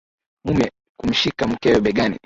Mume kumshika mkewe begani